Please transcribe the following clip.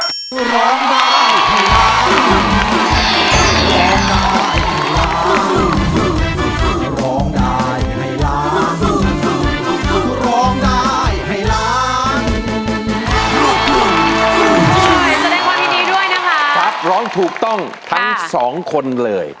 สำเร็จความที่ดีด้วยนะคะครับร้องถูกต้องทั้งสองคนเลย